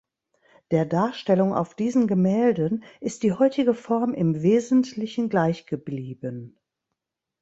Der Darstellung auf diesen Gemälden ist die heutige Form im Wesentlichen gleich geblieben.